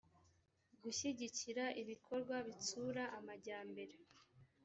gushyigikira ibikorwa bitsura amajyambere